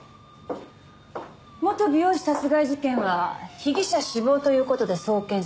元美容師殺害事件は被疑者死亡という事で送検するのよね？